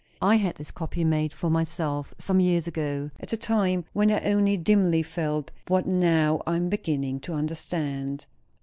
I had this copy made for myself some years ago at a time when I only dimly felt what now I am beginning to understand."